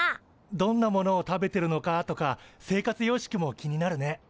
どんなものを食べてるのかとか生活様式も気になるね。